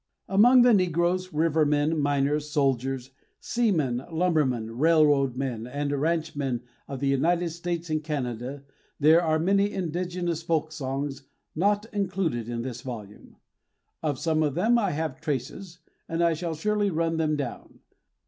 Among the negroes, rivermen, miners, soldiers, seamen, lumbermen, railroad men, and ranchmen of the United States and Canada there are many indigenous folk songs not included in this volume. Of some of them I have traces, and I shall surely run them down.